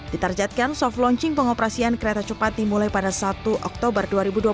ditarjatkan soft launching pengoperasian kereta cepat dimulai pada satu oktober dua ribu dua puluh satu